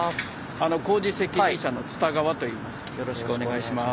工事責任者の蔦川といいます。